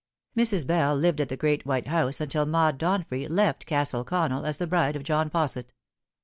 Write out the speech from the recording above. Mrs. Bell lived at the great white house until Maud Donfrey left Castle Connell as the bride of John Fausset.